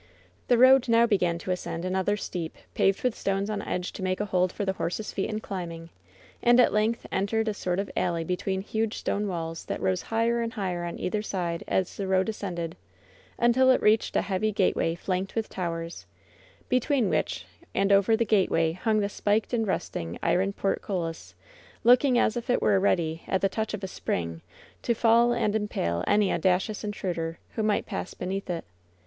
The road now began to ascend another steep, paved with stones on edge to make a hold for the horses' feet in climbing, and at length entered a sort of alley between huge stone walls that rose higher and higher on either side as the road ascended, until it reached a heavy gateway flanked with towers, between which, and over the gateway, hung the spiked and rusting iron portcullis, looking as if it were ready, at the touch of a spring, to fall and impale any audacious intruder who might pass beneath it.